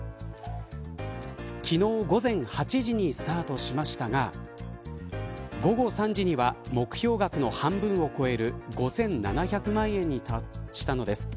昨日、午前８時にスタートしましたが午後３時には目標額の半分を超える５７００万円に達したのです。